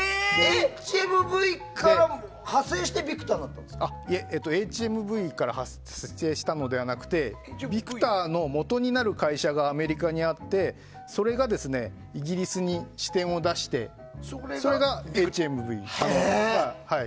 ＨＭＶから派生していえ、ＨＭＶから派生したのではなくてビクターの元になる会社がアメリカにあってそれがイギリスに支店を出してそれがＨＭＶです。